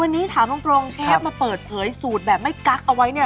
วันนี้ถามตรงเชฟมาเปิดเผยสูตรแบบไม่กั๊กเอาไว้เนี่ย